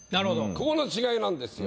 ここの違いなんですよ。